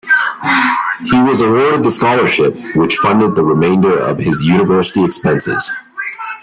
He was awarded the scholarship, which funded the remainder of his university expenses.